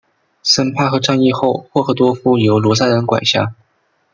森帕赫战役后霍赫多夫由卢塞恩管辖。